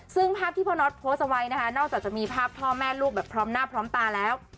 ซึ่งภาพที่พ่อน็อตโพสต์เอาไว้นะคะนอกจากจะมีภาพพ่อแม่ลูกแบบพร้อมหน้าพร้อมตาแล้ว